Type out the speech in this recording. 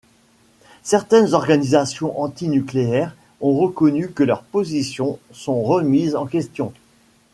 Certaines organisations anti-nucléaires ont reconnu que leurs positions sont remises en question.